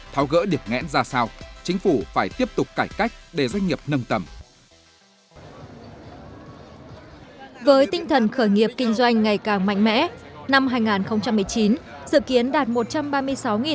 tháo gỡ điểm ngẽn ra sao chính phủ phải tiếp tục cải cách để doanh nghiệp nâng tầm